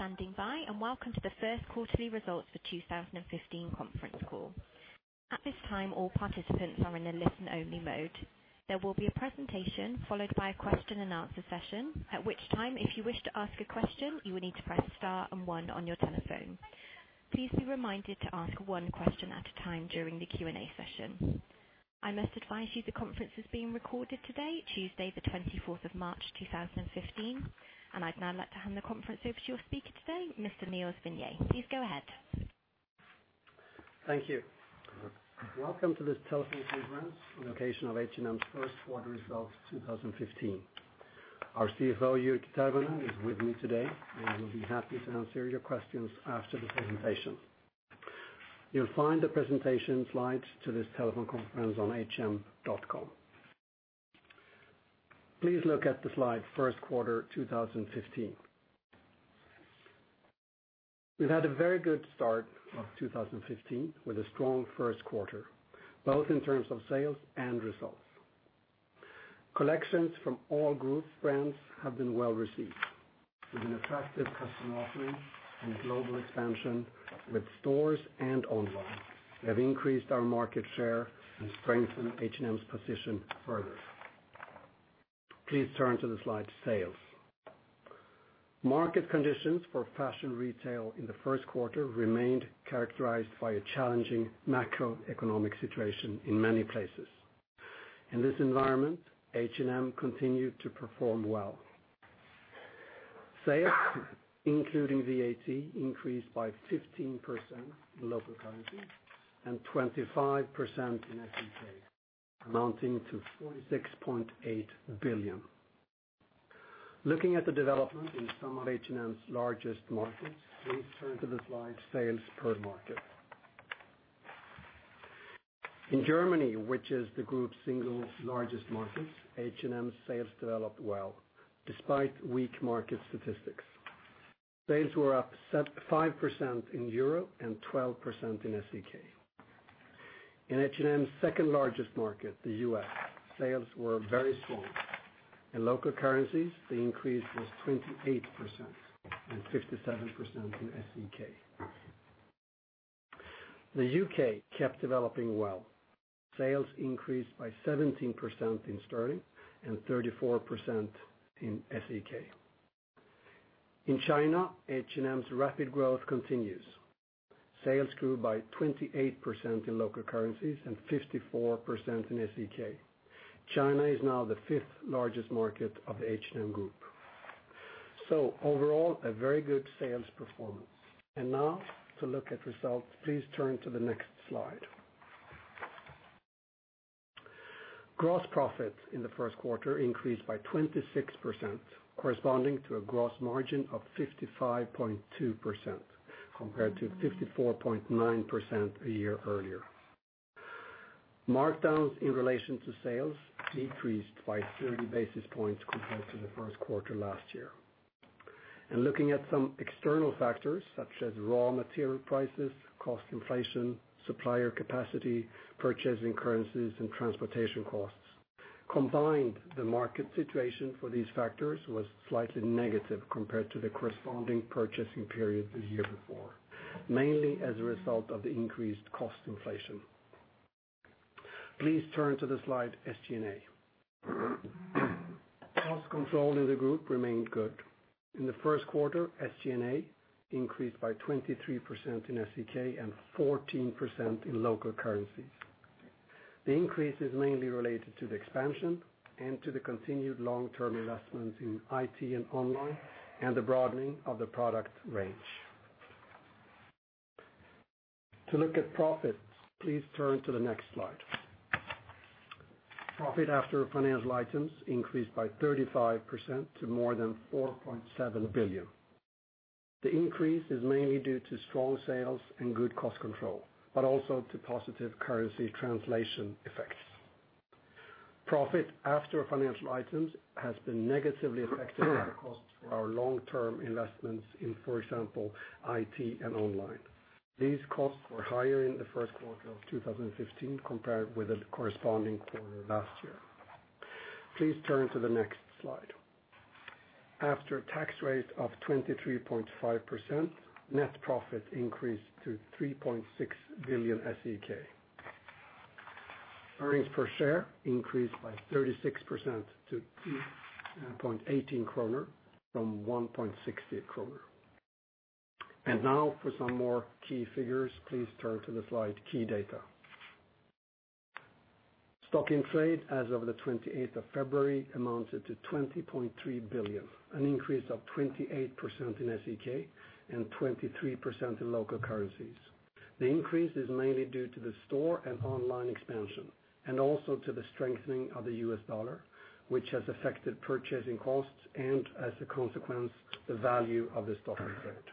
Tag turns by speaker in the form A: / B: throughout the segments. A: Thank you for standing by, and welcome to the first quarterly results for 2015 conference call. At this time, all participants are in a listen-only mode. There will be a presentation followed by a Q&A session, at which time, if you wish to ask a question, you will need to press star 1 on your telephone. Please be reminded to ask one question at a time during the Q&A session. I must advise you the conference is being recorded today, Tuesday, the 24th of March, 2015. I'd now like to hand the conference over to your speaker today, Mr. Nils Vinge. Please go ahead.
B: Thank you. Welcome to this telephone conference on occasion of H&M's first quarter results of 2015. Our CFO, Jyrki Tervonen, is with me today and will be happy to answer your questions after the presentation. You'll find the presentation slides to this telephone conference on hm.com. Please look at the slide, first quarter 2015. We've had a very good start of 2015 with a strong first quarter, both in terms of sales and results. Collections from all group brands have been well-received with an attractive customer offering and global expansion with stores and online that increased our market share and strengthened H&M's position further. Please turn to the slide, sales. Market conditions for fashion retail in the first quarter remained characterized by a challenging macroeconomic situation in many places. In this environment, H&M continued to perform well. Sales, including VAT, increased by 15% in local currencies and 25% in SEK, amounting to 46.8 billion. Looking at the development in some of H&M's largest markets, please turn to the slide, sales per market. In Germany, which is the group's single largest market, H&M sales developed well despite weak market statistics. Sales were up 5% in EUR and 12% in SEK. In H&M's second-largest market, the U.S., sales were very strong. In local currencies, the increase was 28% and 57% in SEK. The U.K. kept developing well. Sales increased by 17% in GBP and 34% in SEK. In China, H&M's rapid growth continues. Sales grew by 28% in local currencies and 54% in SEK. China is now the fifth-largest market of the H&M Group. Overall, a very good sales performance. Now to look at results, please turn to the next slide. Gross profit in the first quarter increased by 26%, corresponding to a gross margin of 55.2% compared to 54.9% a year earlier. Markdowns in relation to sales decreased by 30 basis points compared to the first quarter last year. Looking at some external factors such as raw material prices, cost inflation, supplier capacity, purchasing currencies, and transportation costs. Combined, the market situation for these factors was slightly negative compared to the corresponding purchasing period the year before, mainly as a result of the increased cost inflation. Please turn to the slide, SG&A. Cost control in the group remained good. In the first quarter, SG&A increased by 23% in SEK and 14% in local currencies. The increase is mainly related to the expansion and to the continued long-term investments in IT and online and the broadening of the product range. To look at profits, please turn to the next slide. Profit after financial items increased by 35% to more than 4.7 billion. The increase is mainly due to strong sales and good cost control, but also to positive currency translation effects. Profit after financial items has been negatively affected by the costs for our long-term investments in, for example, IT and online. These costs were higher in the first quarter of 2015 compared with the corresponding quarter last year. Please turn to the next slide. After-tax rates of 23.5%, net profit increased to 3.6 billion SEK. Earnings per share increased by 36% to 2.18 kronor from 1.68 kronor. Now for some more key figures, please turn to the slide, key data. Stock in trade as of the 28th of February amounted to 20.3 billion, an increase of 28% in SEK and 23% in local currencies. The increase is mainly due to the store and online expansion, and also to the strengthening of the US dollar, which has affected purchasing costs and, as a consequence, the value of the stock in trade.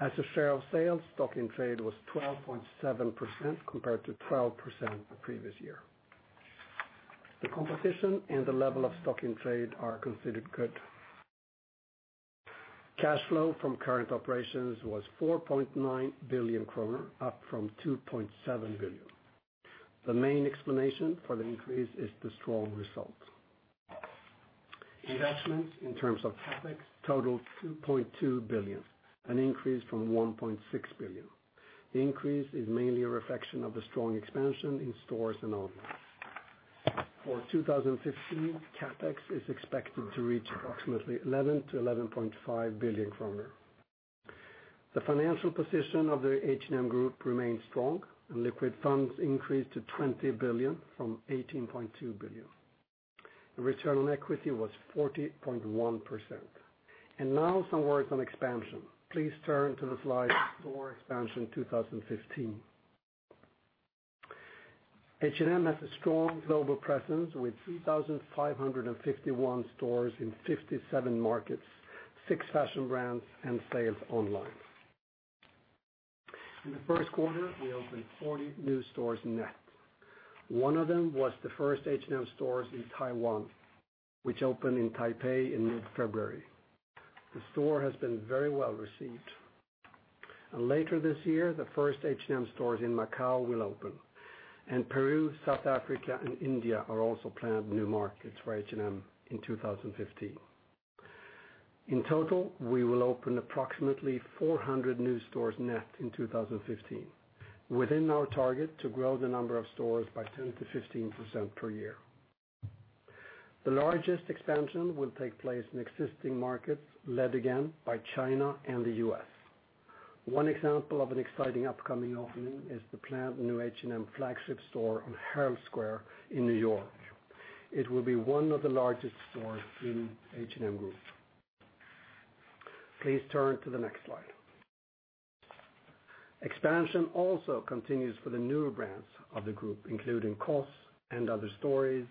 B: As a share of sales, stock in trade was 12.7% compared to 12% the previous year. The competition and the level of stock in trade are considered good. Cash flow from current operations was 4.9 billion kronor, up from 2.7 billion. The main explanation for the increase is the strong result. Investments in terms of CapEx totaled 2.2 billion, an increase from 1.6 billion. The increase is mainly a reflection of the strong expansion in stores and outlets. For 2015, CapEx is expected to reach approximately 11 billion-11.5 billion kronor. The financial position of the H&M Group remains strong, and liquid funds increased to 20 billion from 18.2 billion. The return on equity was 40.1%. Now some words on expansion. Please turn to the slide, store expansion 2015. H&M has a strong global presence with 3,551 stores in 57 markets, six fashion brands, and sales online. In the first quarter, we opened 40 new stores net. One of them was the first H&M stores in Taiwan, which opened in Taipei in mid-February. The store has been very well-received. Later this year, the first H&M stores in Macau will open. Peru, South Africa, and India are also planned new markets for H&M in 2015. In total, we will open approximately 400 new stores net in 2015, within our target to grow the number of stores by 10%-15% per year. The largest expansion will take place in existing markets, led again by China and the U.S. One example of an exciting upcoming opening is the planned new H&M flagship store on Herald Square in New York. It will be one of the largest stores in H&M Group. Please turn to the next slide. Expansion also continues for the newer brands of the group, including COS, & Other Stories,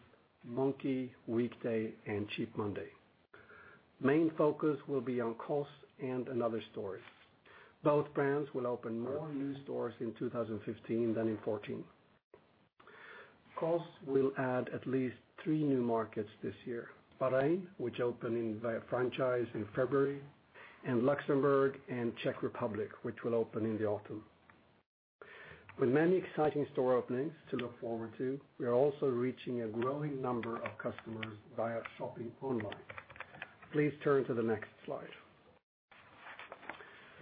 B: Monki, Weekday, and Cheap Monday. Main focus will be on COS and & Other Stories. Both brands will open more new stores in 2015 than in 2014. COS will add at least three new markets this year, Bahrain, which opened via franchise in February, and Luxembourg and Czech Republic, which will open in the autumn. With many exciting store openings to look forward to, we are also reaching a growing number of customers via shopping online. Please turn to the next slide.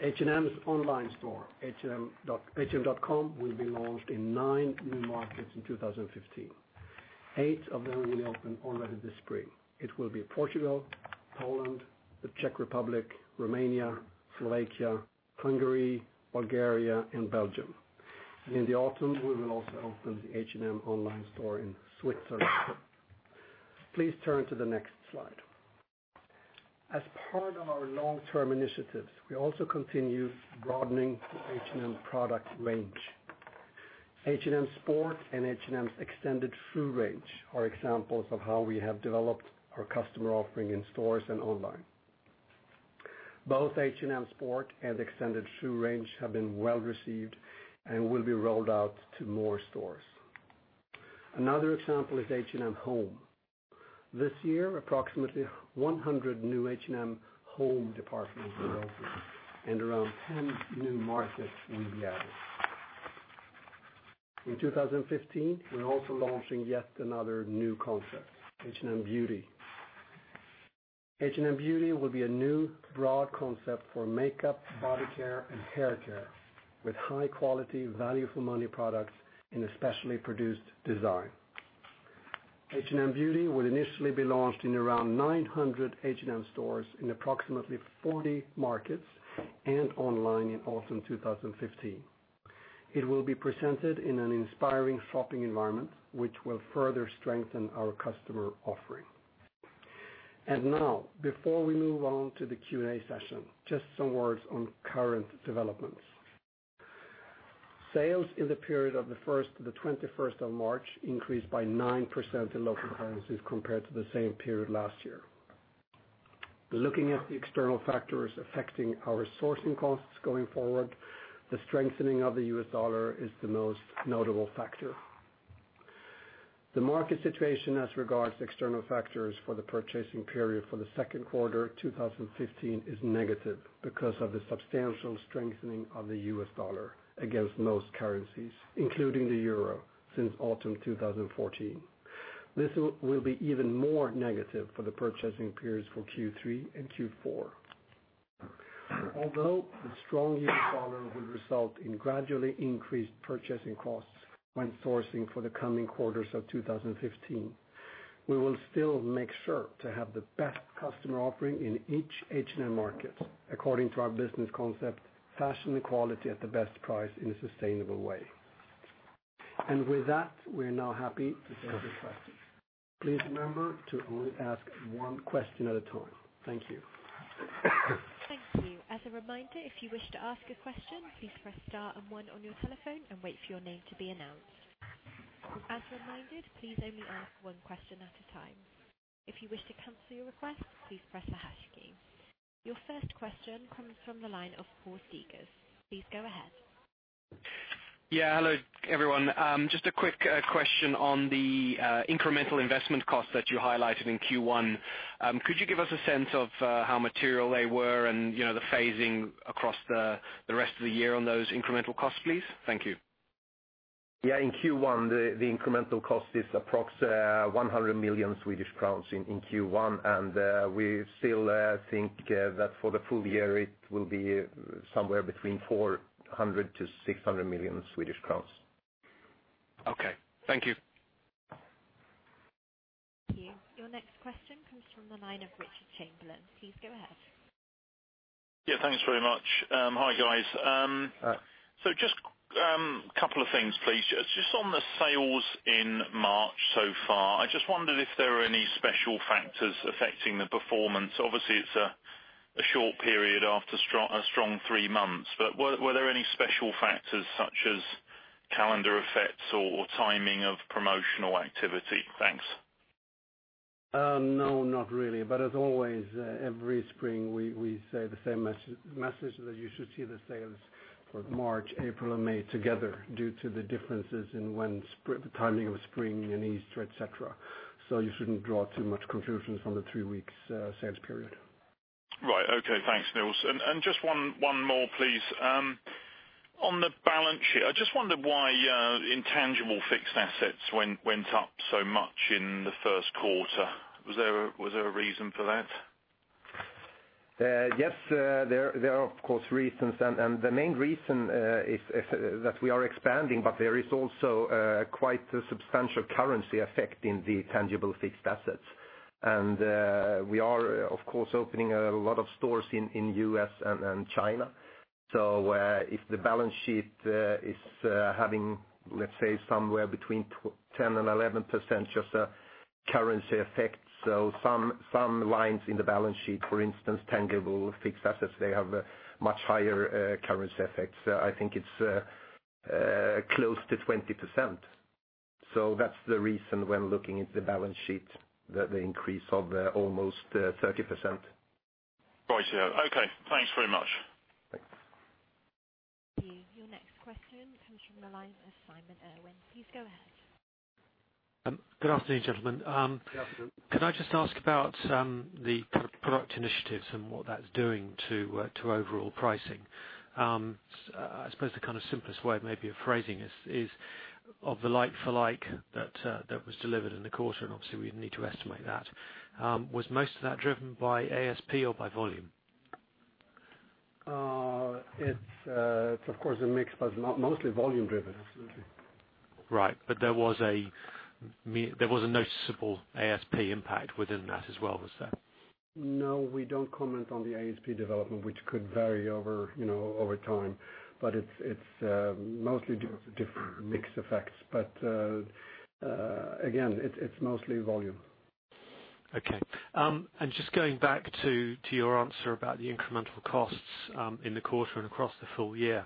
B: H&M's online store, hm.com, will be launched in nine new markets in 2015. Eight of them will open already this spring. It will be Portugal, Poland, the Czech Republic, Romania, Slovakia, Hungary, Bulgaria, and Belgium. In the autumn, we will also open the H&M online store in Switzerland. Please turn to the next slide. As part of our long-term initiatives, we also continue broadening the H&M product range. H&M Sport and H&M's extended shoe range are examples of how we have developed our customer offering in stores and online. Both H&M Sport and extended shoe range have been well-received and will be rolled out to more stores. Another example is H&M Home. This year, approximately 100 new H&M Home departments will open and around 10 new markets will be added. In 2015, we're also launching yet another new concept, H&M Beauty. H&M Beauty will be a new broad concept for makeup, body care, and hair care with high quality, value for money products in a specially produced design. H&M Beauty will initially be launched in around 900 H&M stores in approximately 40 markets and online in autumn 2015. It will be presented in an inspiring shopping environment, which will further strengthen our customer offering. Now, before we move on to the Q&A session, just some words on current developments. Sales in the period of the 1st to the 21st of March increased by 9% in local currencies compared to the same period last year. Looking at the external factors affecting our sourcing costs going forward, the strengthening of the US dollar is the most notable factor. The market situation as regards to external factors for the purchasing period for the second quarter 2015 is negative because of the substantial strengthening of the US dollar against most currencies, including the euro, since autumn 2014. This will be even more negative for the purchasing periods for Q3 and Q4. Although the strong US dollar will result in gradually increased purchasing costs when sourcing for the coming quarters of 2015, we will still make sure to have the best customer offering in each H&M market according to our business concept, fashion quality at the best price in a sustainable way. With that, we are now happy to take your questions. Please remember to only ask one question at a time. Thank you.
A: Thank you. As a reminder, if you wish to ask a question, please press star and one on your telephone and wait for your name to be announced. As reminded, please only ask one question at a time. If you wish to cancel your request, please press the hash key. Your first question comes from the line of Paul Stegers. Please go ahead.
C: Yeah. Hello, everyone. Just a quick question on the incremental investment costs that you highlighted in Q1. Could you give us a sense of how material they were and the phasing across the rest of the year on those incremental costs, please? Thank you.
D: Yeah, in Q1, the incremental cost is approx 100 million Swedish crowns in Q1. We still think that for the full year it will be somewhere between 400 million-600 million Swedish crowns.
C: Okay. Thank you.
A: Thank you. Your next question comes from the line of Richard Chamberlain. Please go ahead.
E: Yeah, thanks very much. Hi, guys.
D: Hi.
E: Just couple of things, please. Just on the sales in March so far, I just wondered if there are any special factors affecting the performance. Obviously, it's a short period after a strong three months, but were there any special factors such as calendar effects or timing of promotional activity? Thanks.
B: No, not really. As always, every spring, we say the same message, that you should see the sales for March, April, and May together due to the differences in when the timing of spring and Easter, et cetera. You shouldn't draw too much conclusions from the three weeks' sales period.
E: Right. Okay. Thanks, Nils. Just one more, please. On the balance sheet, I just wondered why intangible fixed assets went up so much in the first quarter. Was there a reason for that?
D: Yes, there are, of course, reasons, and the main reason is that we are expanding, but there is also quite a substantial currency effect in the tangible fixed assets. We are, of course, opening a lot of stores in U.S. and China. If the balance sheet is having, let's say, somewhere between 10% and 11% just a currency effect. Some lines in the balance sheet, for instance, tangible fixed assets, they have much higher currency effects. I think it's close to 20%. That's the reason when looking at the balance sheet, the increase of almost 30%.
E: Rightyo. Okay. Thanks very much.
D: Thanks.
A: Thank you. Your next question comes from the line of Simon Irwin. Please go ahead.
F: Good afternoon, gentlemen.
D: Good afternoon.
F: Could I just ask about the product initiatives and what that's doing to overall pricing? I suppose the kind of simplest way maybe of phrasing this is of the like-for-like that was delivered in the quarter, and obviously we need to estimate that. Was most of that driven by ASP or by volume?
B: It's of course, a mix, but mostly volume driven.
F: Right. There was a noticeable ASP impact within that as well, was there?
B: No, we don't comment on the ASP development, which could vary over time, but it's mostly different mix effects, but again, it's mostly volume.
F: Okay. Just going back to your answer about the incremental costs in the quarter and across the full year.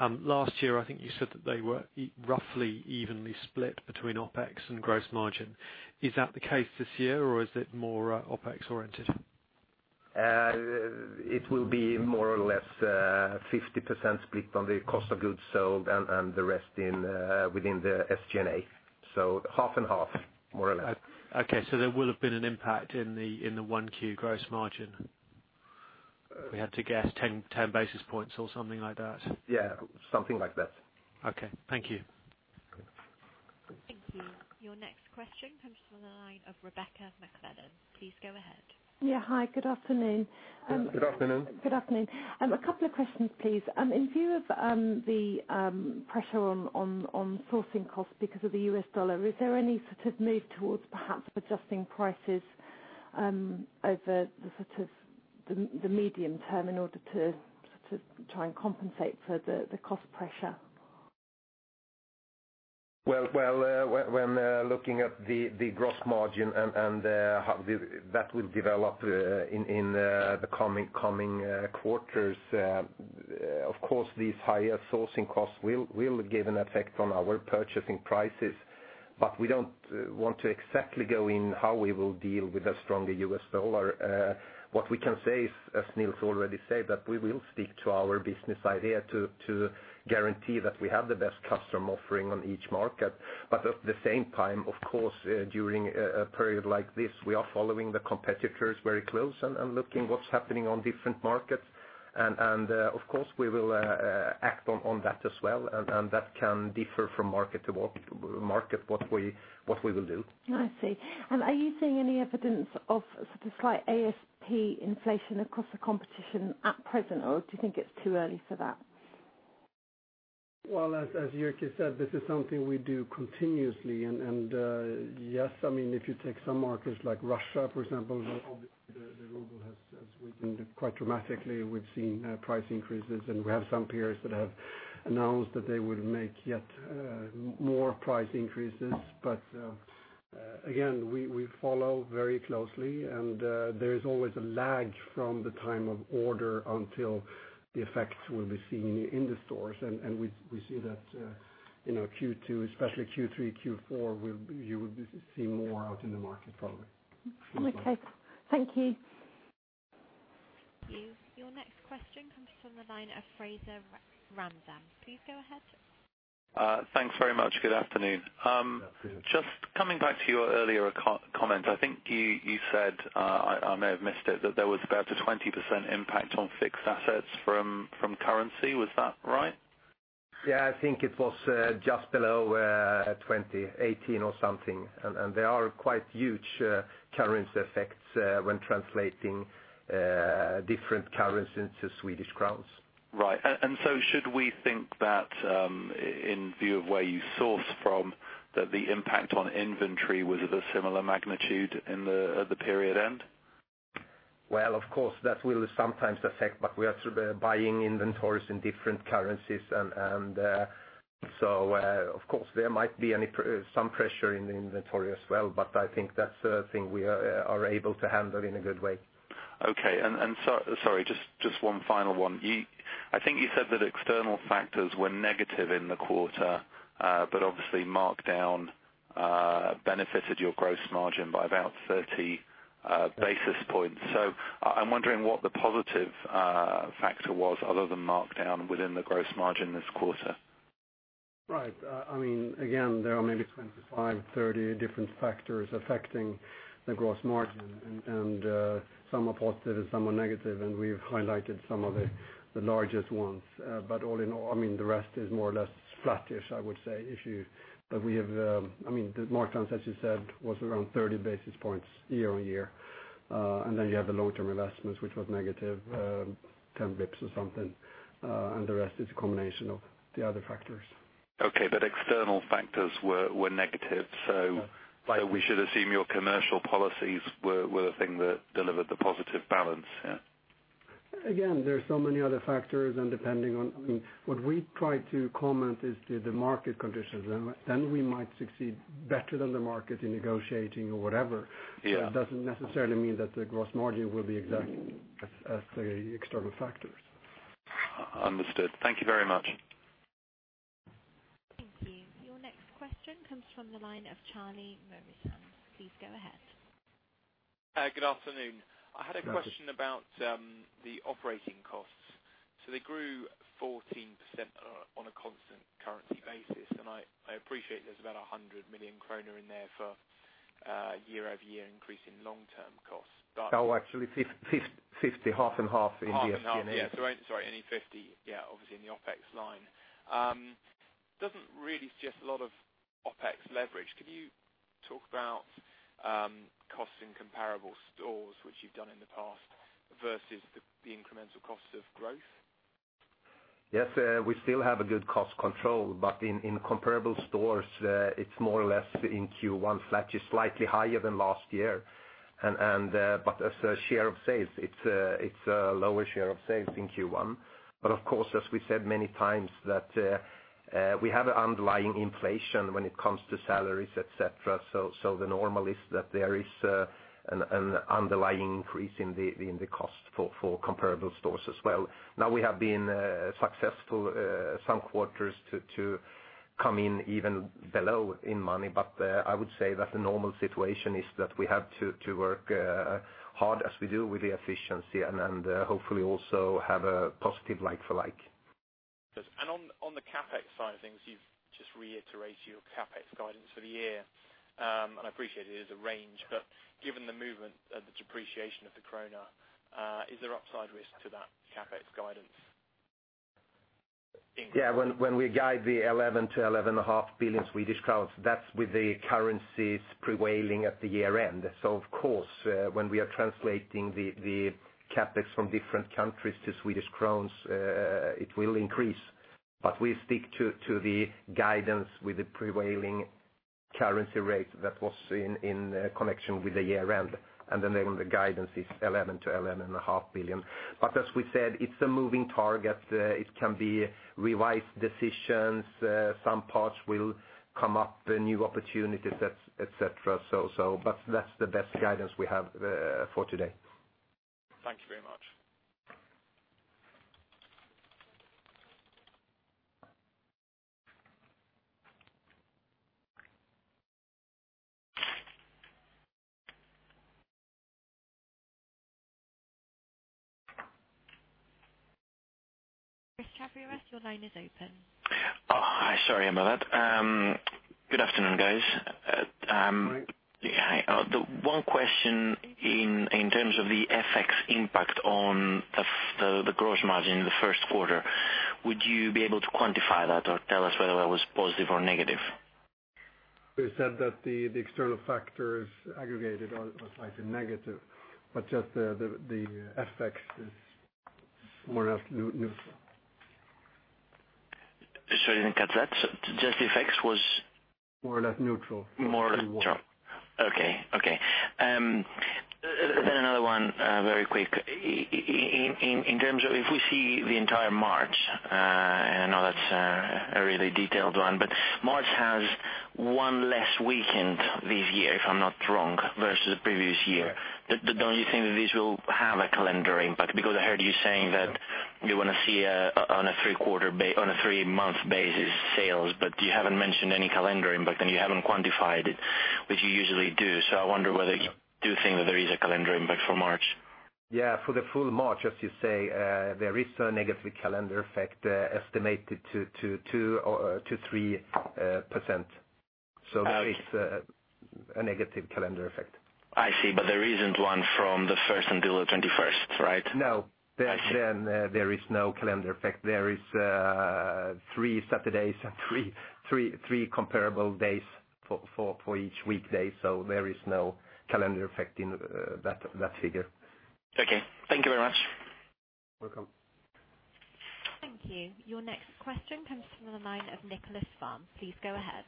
F: Last year, I think you said that they were roughly evenly split between OpEx and gross margin. Is that the case this year, or is it more OpEx oriented?
D: It will be more or less 50% split on the cost of goods sold and the rest within the SG&A. Half and half, more or less.
F: Okay, there will have been an impact in the one Q gross margin. If we had to guess 10 basis points or something like that?
D: Yeah, something like that.
F: Okay. Thank you.
A: Thank you. Your next question comes from the line of Rebecca McClellan. Please go ahead.
G: Yeah. Hi, good afternoon.
D: Good afternoon.
G: Good afternoon. A couple of questions, please. In view of the pressure on sourcing costs because of the US dollar, is there any sort of move towards perhaps adjusting prices over the medium term in order to try and compensate for the cost pressure?
D: Well, when looking at the gross margin and how that will develop in the coming quarters, of course, these higher sourcing costs will give an effect on our purchasing prices, but we don't want to exactly go in how we will deal with a stronger US dollar. What we can say is, as Nils already said, that we will stick to our business idea to guarantee that we have the best customer offering on each market. At the same time, of course, during a period like this, we are following the competitors very close and looking what's happening on different markets. Of course, we will act on that as well, and that can differ from market to market, what we will do.
G: I see. Are you seeing any evidence of sort of slight ASP inflation across the competition at present, or do you think it's too early for that?
B: Well, as Jyrki said, this is something we do continuously. Yes, if you take some markets like Russia, for example, obviously the ruble has weakened quite dramatically. We've seen price increases, and we have some peers that have announced that they would make yet more price increases. Again, we follow very closely, and there is always a lag from the time of order until the effects will be seen in the stores. We see that in our Q2, especially Q3, Q4, you will be seeing more out in the market probably.
G: Okay. Thank you.
A: Thank you. Your next question comes from the line of Fraser Ramzan. Please go ahead.
H: Thanks very much. Good afternoon.
D: Good afternoon.
H: Just coming back to your earlier comment. I think you said, I may have missed it, that there was about a 20% impact on fixed assets from currency. Was that right?
D: Yeah, I think it was just below 20% or something. There are quite huge currency effects when translating different currencies into Swedish kronor.
H: Right. Should we think that in view of where you source from, that the impact on inventory was of a similar magnitude at the period end?
D: Well, of course, that will sometimes affect. We are buying inventories in different currencies. Of course, there might be some pressure in the inventory as well. I think that's a thing we are able to handle in a good way.
H: Okay. Sorry, just one final one. I think you said that external factors were negative in the quarter. Obviously markdown benefited your gross margin by about 30 basis points. I'm wondering what the positive factor was other than markdown within the gross margin this quarter.
B: Right. Again, there are maybe 25, 30 different factors affecting the gross margin. Some are positive and some are negative. We've highlighted some of the largest ones. All in all, the rest is more or less flattish, I would say. The markdowns, as you said, was around 30 basis points year-on-year. You have the long-term investments, which was negative, 10 basis points or something. The rest is a combination of the other factors.
H: Okay. External factors were negative. We should assume your commercial policies were the thing that delivered the positive balance, yeah?
B: There are so many other factors, depending on What we try to comment is the market conditions, then we might succeed better than the market in negotiating or whatever.
H: Yeah.
B: It doesn't necessarily mean that the gross margin will be exactly as the external factors.
H: Understood. Thank you very much.
A: Thank you. Your next question comes from the line of Chiara Mauri. Please go ahead.
I: Good afternoon. I had a question about the operating costs. They grew 14% on a constant currency basis, and I appreciate there's about 100 million kronor in there for year-over-year increase in long-term costs.
D: No, actually 50, half and half.
I: Half and half, yeah. Sorry, only 50, yeah, obviously in the OpEx line. Doesn't really suggest a lot of OpEx leverage. Could you talk about costs in comparable stores, which you've done in the past, versus the incremental costs of growth?
D: Yes, we still have a good cost control. In comparable stores, it's more or less in Q1, slightly higher than last year. As a share of sales, it's a lower share of sales in Q1. Of course, as we said many times, that we have an underlying inflation when it comes to salaries, et cetera. The normal is that there is an underlying increase in the cost for comparable stores as well. Now, we have been successful some quarters to come in even below in money, but I would say that the normal situation is that we have to work hard as we do with the efficiency and then hopefully also have a positive like-for-like.
I: On the CapEx side of things, you have just reiterated your CapEx guidance for the year. I appreciate it is a range, but given the movement, the depreciation of the krona, is there upside risk to that CapEx guidance?
D: Yeah. When we guide the 11 billion-11.5 billion Swedish crowns, that is with the currencies prevailing at the year end. Of course, when we are translating the CapEx from different countries to SEK, it will increase. We stick to the guidance with the prevailing currency rate that was in connection with the year end. The guidance is 11 billion-11.5 billion. As we said, it is a moving target. It can be revised decisions, some parts will come up, new opportunities, et cetera. That is the best guidance we have for today.
I: Thank you very much.
A: Christos Chaviaras, your line is open.
J: Oh, hi. Sorry about that. Good afternoon, guys.
B: Hi.
J: Hi. One question in terms of the FX impact on the gross margin in the first quarter. Would you be able to quantify that or tell us whether that was positive or negative?
B: We said that the external factors aggregated are slightly negative, but just the FX is more or less neutral.
J: Sorry, I didn't catch that. Just the FX was?
B: More or less neutral.
J: More or less neutral. Okay. Another one, very quick. If we see the entire March, and I know that's a really detailed one, March has one less weekend this year, if I'm not wrong, versus the previous year. Don't you think that this will have a calendar impact? I heard you saying that you want to see on a three-month basis sales, you haven't mentioned any calendar impact, and you haven't quantified it, which you usually do. I wonder whether you do think that there is a calendar impact for March?
D: Yeah, for the full March, as you say, there is a negative calendar effect estimated to 2% or to 3%.
B: It's a negative calendar effect.
J: I see. There isn't one from the 1st until the 21st, right?
B: No.
J: I see.
B: There is no calendar effect. There is three Saturdays and three comparable days for each weekday, there is no calendar effect in that figure.
J: Okay. Thank you very much.
B: Welcome.
A: Thank you. Your next question comes from the line of Nicholas Fun. Please go ahead.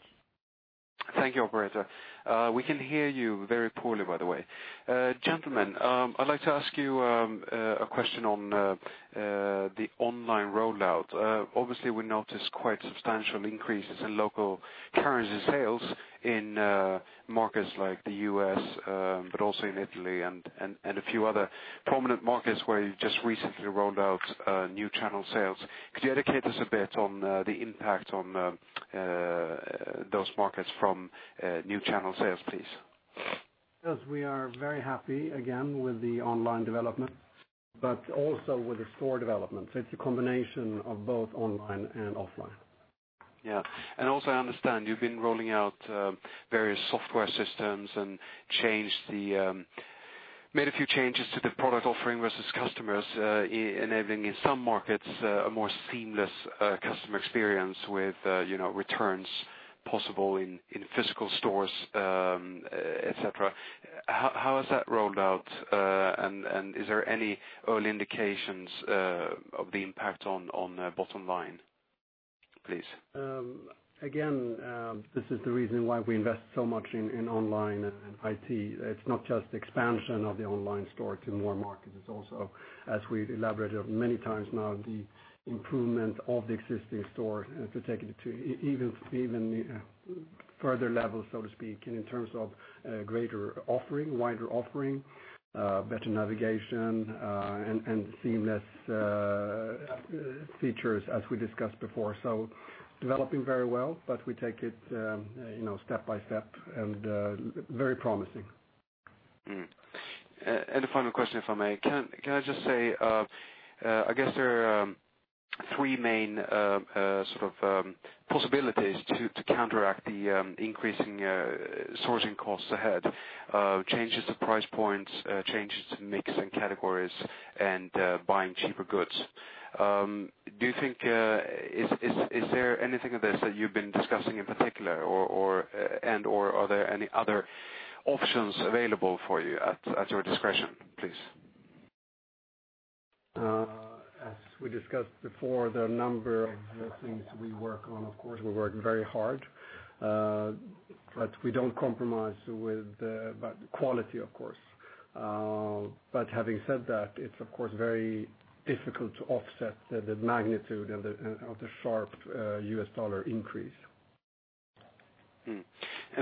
K: Thank you, operator. We can hear you very poorly, by the way. Gentlemen, I'd like to ask you a question on the online rollout. Obviously, we noticed quite substantial increases in local currency sales in markets like the U.S., but also in Italy and a few other prominent markets where you just recently rolled out new channel sales. Could you educate us a bit on the impact on those markets from new channel sales, please?
B: Yes, we are very happy again with the online development, but also with the store development. It's a combination of both online and offline.
K: Yeah. Also, I understand you've been rolling out various software systems and made a few changes to the product offering versus customers, enabling in some markets, a more seamless customer experience with returns possible in physical stores, et cetera. How has that rolled out and is there any early indications of the impact on bottom line, please?
B: This is the reason why we invest so much in online and IT. It's not just expansion of the online store to more markets, it's also, as we've elaborated on many times now, the improvement of the existing store to take it to even further levels, so to speak, in terms of greater offering, wider offering, better navigation, and seamless features as we discussed before. Developing very well but we take it step by step and very promising.
K: A final question if I may. Can I just say, I guess there are three main sort of possibilities to counteract the increasing sourcing costs ahead: changes to price points, changes to mix and categories, and buying cheaper goods. Do you think, is there anything of this that you've been discussing in particular and/or are there any other options available for you at your discretion, please?
B: As we discussed before, there are a number of things we work on, of course we're working very hard. We don't compromise with the quality, of course. Having said that, it's of course very difficult to offset the magnitude of the sharp U.S. dollar increase.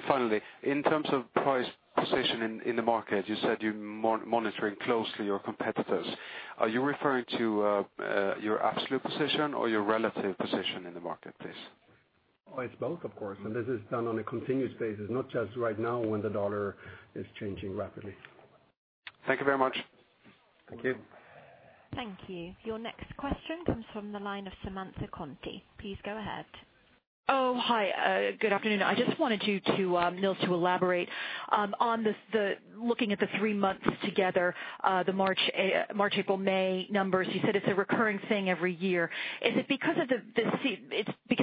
K: Finally, in terms of price position in the market, you said you're monitoring closely your competitors. Are you referring to your absolute position or your relative position in the market, please?
B: Oh, it's both, of course. This is done on a continuous basis, not just right now when the U.S. dollar is changing rapidly.
K: Thank you very much.
B: Thank you.
A: Thank you. Your next question comes from the line of Samantha Conti. Please go ahead.
L: Oh, hi. Good afternoon. I just wanted Nils to elaborate, looking at the three months together, the March, April, May numbers. You said it's a recurring thing every year. Is it because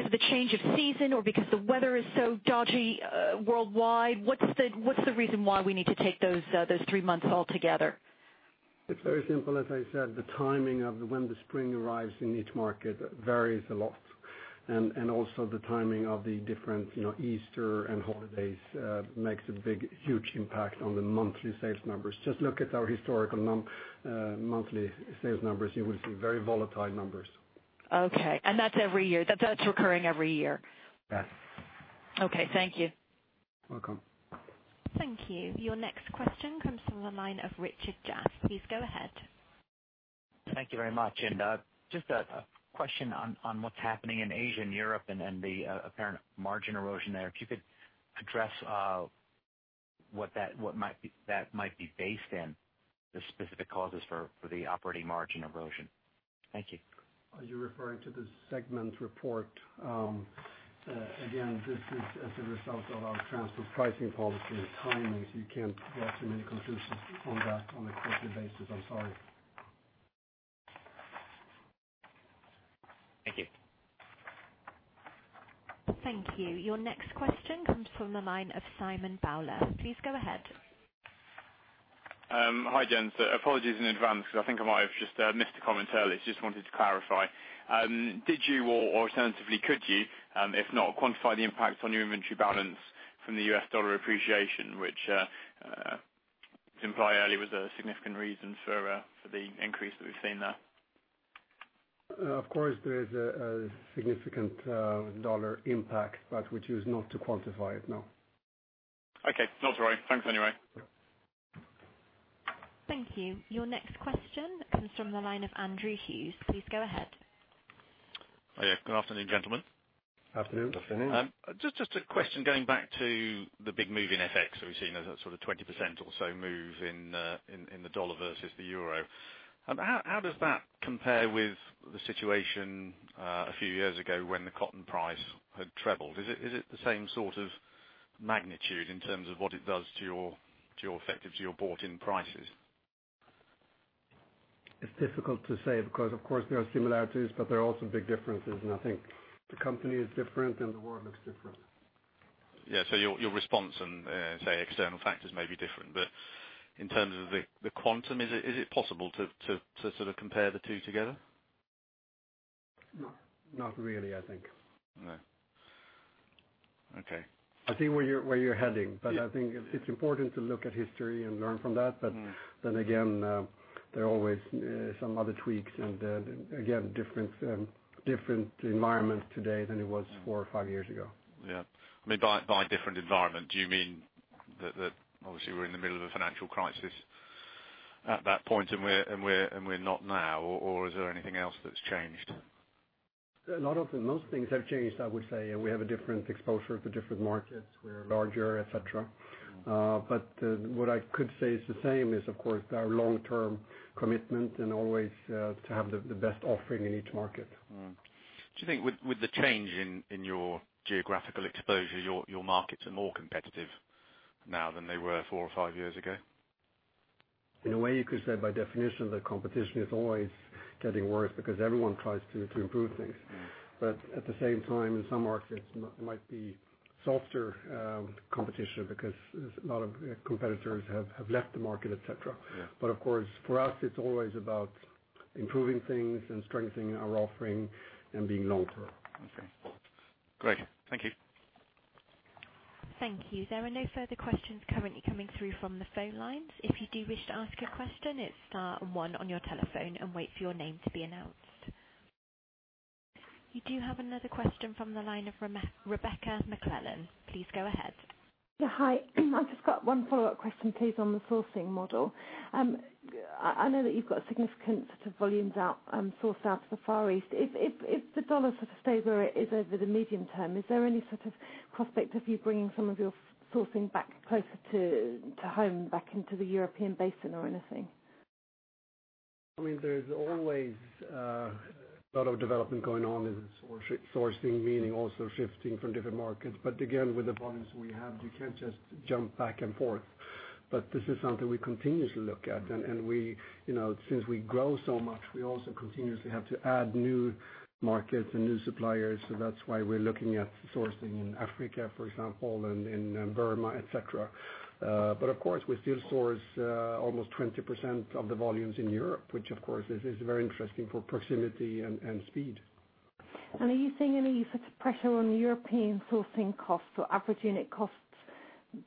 L: of the change of season or because the weather is so dodgy worldwide? What's the reason why we need to take those three months all together?
B: It's very simple. As I said, the timing of when the spring arrives in each market varies a lot, and also the timing of the different Easter and holidays makes a huge impact on the monthly sales numbers. Just look at our historical monthly sales numbers. You will see very volatile numbers.
L: Okay. That's every year? That's recurring every year.
B: Yes.
L: Okay. Thank you.
B: Welcome.
A: Thank you. Your next question comes from the line of Richard Jaffe. Please go ahead.
M: Thank you very much. Just a question on what's happening in Asia and Europe and the apparent margin erosion there. If you could address what that might be based in, the specific causes for the operating margin erosion. Thank you.
B: Are you referring to the segment report? Again, this is as a result of our transfer pricing policy and timing. You can't draw too many conclusions on that on a quarterly basis, I'm sorry.
M: Thank you.
A: Thank you. Your next question comes from the line of Simon Bowler. Please go ahead.
N: Hi, gents. Apologies in advance because I think I might have just missed a comment earlier, just wanted to clarify. Did you, or alternatively could you, if not quantify the impact on your inventory balance from the U.S. dollar appreciation, which you implied earlier was a significant reason for the increase that we've seen there?
B: Of course, there is a significant dollar impact, but we choose not to quantify it now.
N: Okay. No worries. Thanks anyway.
A: Thank you. Your next question comes from the line of Andrew Hughes. Please go ahead.
O: Hi. Good afternoon, gentlemen.
B: Afternoon.
J: Afternoon.
O: Just a question going back to the big move in FX that we've seen, a sort of 20% or so move in the dollar versus the euro. How does that compare with the situation a few years ago when the cotton price had trebled? Is it the same sort of magnitude in terms of what it does to your bought-in prices?
B: It's difficult to say because of course there are similarities, but there are also big differences, and I think the company is different and the world looks different.
O: Yeah. Your response and, say, external factors may be different, but in terms of the quantum, is it possible to compare the two together?
B: No. Not really, I think.
O: No. Okay.
B: I see where you're heading.
O: Yeah
B: I think it's important to look at history and learn from that. Again, there are always some other tweaks and, again, different environment today than it was- four or five years ago.
O: Yeah. By different environment, do you mean that obviously we're in the middle of a financial crisis at that point and we're not now, or is there anything else that's changed?
B: A lot of the most things have changed, I would say. We have a different exposure to different markets. We're larger, et cetera. What I could say is the same is, of course, our long-term commitment and always to have the best offering in each market.
O: Do you think with the change in your geographical exposure, your markets are more competitive now than they were four or five years ago?
B: In a way, you could say by definition, the competition is always getting worse because everyone tries to improve things. At the same time, in some markets might be softer competition because a lot of competitors have left the market, et cetera.
O: Yeah.
B: Of course, for us, it's always about improving things and strengthening our offering and being long-term.
O: Okay, great. Thank you.
A: Thank you. There are no further questions currently coming through from the phone lines. If you do wish to ask a question, hit star and one on your telephone and wait for your name to be announced. You do have another question from the line of Rebecca McClellan. Please go ahead.
G: Yeah. Hi. I've just got one follow-up question, please, on the sourcing model. I know that you've got significant sort of volumes out, sourced out to the Far East. If the dollar sort of stays where it is over the medium term, is there any sort of prospect of you bringing some of your sourcing back closer to home, back into the European basin or anything?
B: There's always a lot of development going on in sourcing, meaning also shifting from different markets. Again, with the volumes we have, you can't just jump back and forth. This is something we continuously look at. Since we grow so much, we also continuously have to add new markets and new suppliers. That's why we're looking at sourcing in Africa, for example, and in Burma, et cetera. Of course, we still source almost 20% of the volumes in Europe, which of course is very interesting for proximity and speed.
G: Are you seeing any sort of pressure on European sourcing costs or average unit costs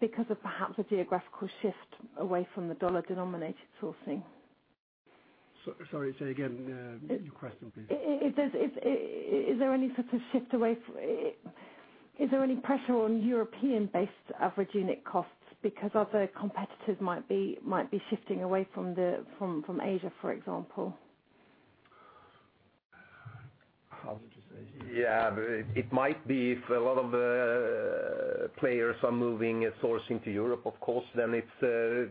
G: because of perhaps a geographical shift away from the dollar-denominated sourcing?
B: Sorry to say again, your question, please.
G: Is there any pressure on European-based average unit costs because other competitors might be shifting away from Asia, for example?
B: How would you say?
D: Yeah. It might be if a lot of players are moving sourcing to Europe, of course, then it's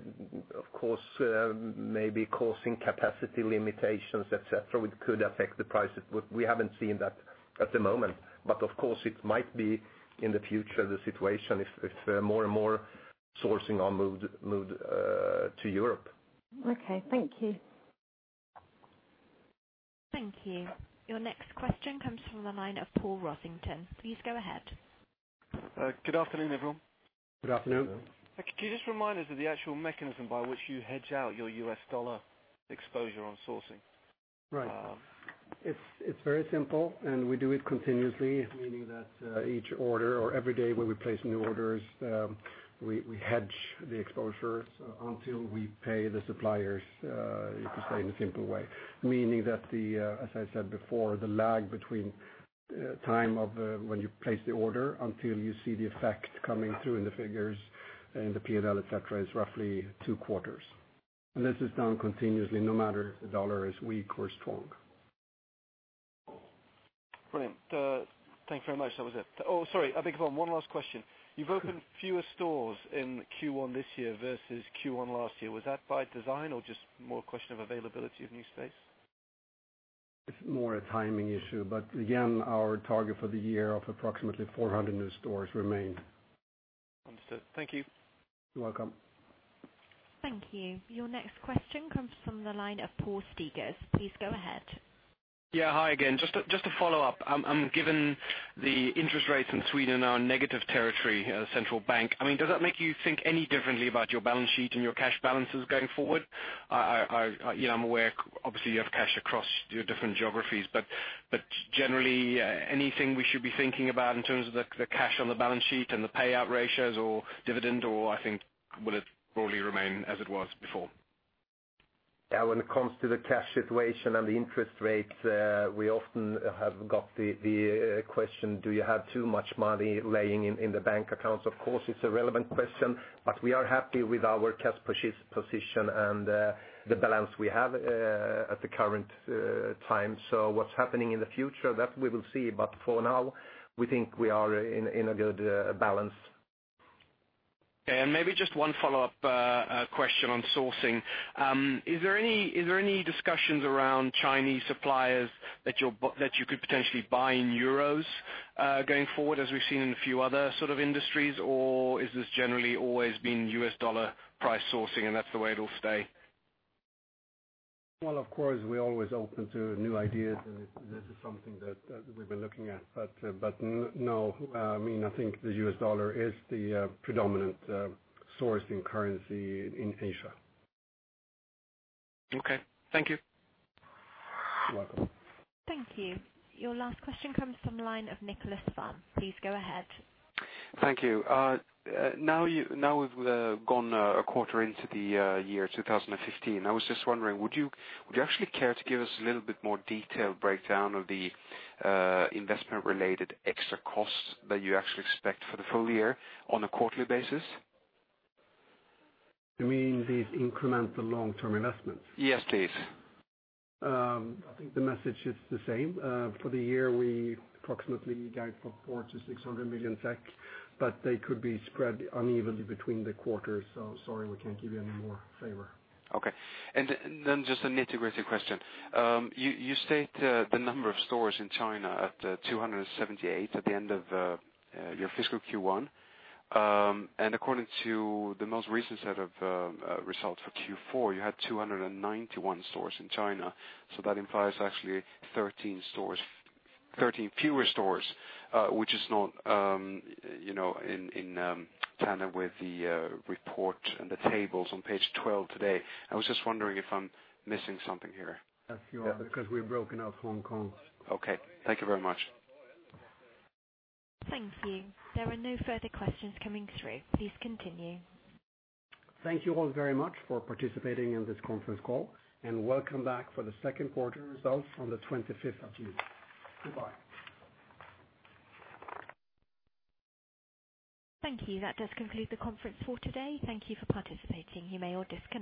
D: maybe causing capacity limitations, et cetera, which could affect the prices. We haven't seen that at the moment, but of course it might be in the future, the situation if more and more sourcing are moved to Europe.
G: Okay. Thank you.
A: Thank you. Your next question comes from the line of Paul Rossington. Please go ahead.
P: Good afternoon, everyone.
B: Good afternoon.
D: Good afternoon.
P: Can you just remind us of the actual mechanism by which you hedge out your U.S. dollar exposure on sourcing?
B: Right. It's very simple, and we do it continuously, meaning that each order or every day when we place new orders, we hedge the exposure until we pay the suppliers, to say in a simple way. Meaning that, as I said before, the lag between time of when you place the order until you see the effect coming through in the figures, in the P&L, et cetera, is roughly two quarters. This is done continuously no matter if the dollar is weak or strong.
P: Brilliant. Thanks very much. That was it. Oh, sorry. I think one last question. You've opened fewer stores in Q1 this year versus Q1 last year. Was that by design or just more a question of availability of new space?
B: It's more a timing issue, but again, our target for the year of approximately 400 new stores remain.
P: Understood. Thank you.
B: You're welcome.
A: Thank you. Your next question comes from the line of Paul Stegers. Please go ahead.
C: Yeah. Hi again. Just to follow up, given the interest rates in Sweden are in negative territory, central bank, does that make you think any differently about your balance sheet and your cash balances going forward? I'm aware obviously you have cash across your different geographies, but generally, anything we should be thinking about in terms of the cash on the balance sheet and the payout ratios or dividend, or will it broadly remain as it was before?
D: Yeah. When it comes to the cash situation and the interest rates, we often have got the question, do you have too much money laying in the bank accounts? Of course, it's a relevant question, but we are happy with our cash position and the balance we have at the current time. What's happening in the future, that we will see, but for now, we think we are in a good balance.
C: Okay, maybe just one follow-up question on sourcing. Is there any discussions around Chinese suppliers that you could potentially buy in euros going forward, as we've seen in a few other sort of industries? Or is this generally always been US dollar price sourcing, and that's the way it'll stay?
B: Well, of course, we're always open to new ideas, this is something that we've been looking at. No, I think the US dollar is the predominant sourcing currency in Asia.
C: Okay. Thank you.
B: You're welcome.
A: Thank you. Your last question comes from the line of Nicholas Fun. Please go ahead.
K: Thank you. Now we've gone a quarter into the year 2015. I was just wondering, would you actually care to give us a little bit more detailed breakdown of the investment-related extra costs that you actually expect for the full year on a quarterly basis?
B: You mean these incremental long-term investments?
K: Yes, please.
B: I think the message is the same. For the year, we approximately guide for 400 million-600 million, but they could be spread unevenly between the quarters. Sorry, we can't give you any more favor.
K: Okay. Just an integrated question. You state the number of stores in China at 278 at the end of your fiscal Q1. According to the most recent set of results for Q4, you had 291 stores in China. That implies actually 13 fewer stores, which is not in tandem with the report and the tables on page 12 today. I was just wondering if I'm missing something here.
B: Yes, you are, because we've broken out Hong Kong.
K: Okay. Thank you very much.
A: Thank you. There are no further questions coming through. Please continue.
B: Thank you all very much for participating in this conference call. Welcome back for the second quarter results on the 25th of June. Goodbye.
A: Thank you. That does conclude the conference for today. Thank you for participating. You may disconnect.